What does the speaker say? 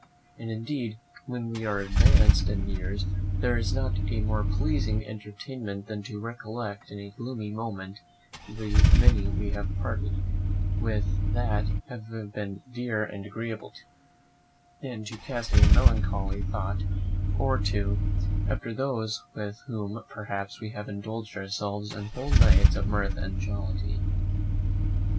And indeed, when we are advanced in years, there is not a more pleasing entertainment than to recollect in a gloomy moment the many we have parted with that have been dear and agreeable to us, and to cast a melancholy thought or two after those with whom, perhaps, we have indulged ourselves in whole nights of mirth and jollity.